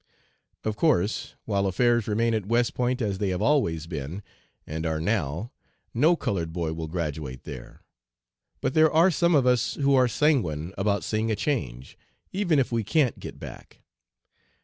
Of course, while affairs remain at West Point as they have always been, and are now, no colored boy will graduate there; but there are some of us who are sanguine about seeing a change, even if we can't get back.